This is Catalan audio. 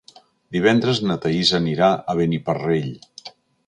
Divendres na Thaís anirà a Beniparrell.